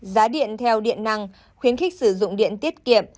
giá điện theo điện năng khuyến khích sử dụng điện tiết kiệm